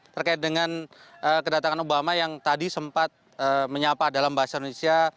terkait dengan kedatangan obama yang tadi sempat menyapa dalam bahasa indonesia